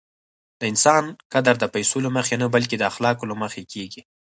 د انسان قدر د پیسو له مخې نه، بلکې د اخلاقو له مخې کېږي.